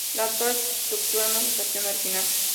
La actual estructura no es la estación original.